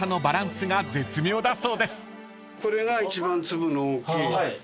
これが。